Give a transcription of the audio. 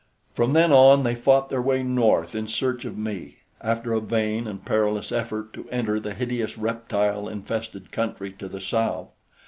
From then on, they fought their way north in search of me, after a vain and perilous effort to enter the hideous reptile infested country to the south.